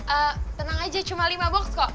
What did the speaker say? eh tenang aja cuma lima box kok